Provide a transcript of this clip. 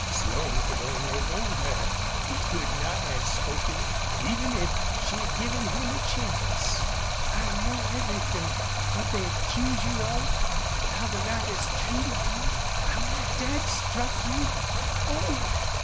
Slone could only hold her. He could not have spoken, even if she had given him a chance. "I know everything what they accuse you of how the riders treated you how my dad struck you. Oh!